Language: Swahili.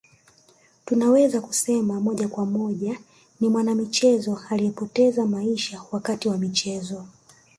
Tunaweza kusema moja kwa moja ni mwanamichezo aliyepoteza maisha wakati wa michezo